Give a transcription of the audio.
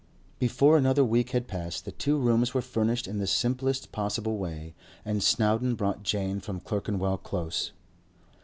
Before another week had passed the two rooms were furnished in the simplest possible way, and Snowdon brought Jane from Clerkenwell Close.